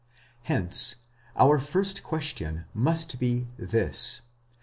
Hence our first question must be this.